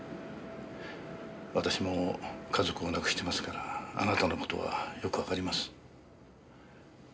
私も家族を亡くしてますからあなたの事はよくわかります。